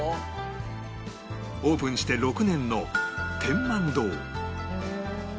オープンして６年の天萬堂